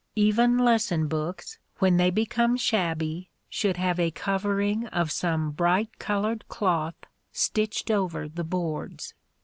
Even lesson books, when they become shabby, should have a covering of some bright colored cloth stitched over the boards.